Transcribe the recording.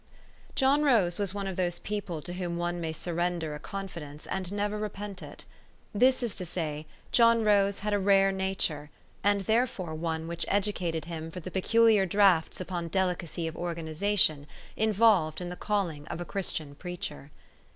JOHN ROSE was one of those people to whom one may surrender a confidence, and never re pent it; this is to say, John Rose had a rare nature, and therefore one which educated him for the peculiar draughts upon delicacy of organization involved in the calling of a Christian preacher.